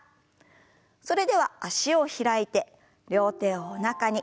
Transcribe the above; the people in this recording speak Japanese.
それでは脚を開いて両手をおなかに。